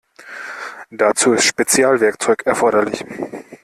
Dazu ist Spezialwerkzeug erforderlich.